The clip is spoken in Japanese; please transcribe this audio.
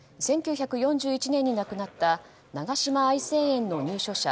１９４１年に亡くなった長島愛生園の入所者